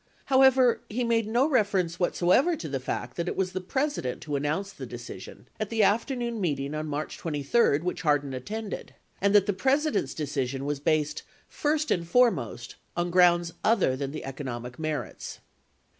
However, he made no reference whatsoever to the fact that it was the President who announced the decision at the afternoon meeting on March 23 which Hardin attended, and that the President's decision was based "first and foremost" on grounds other than the economic merits.